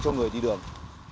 trong người đi đường